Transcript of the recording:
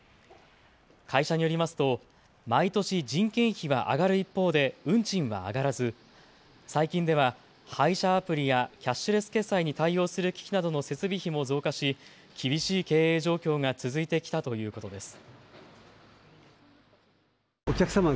会社によりますと毎年、人件費は上がる一方で運賃は上がらず最近では配車アプリやキャッシュレス決済に対応する機器などの設備費も増加し厳しい経営状況が続いてきたということです。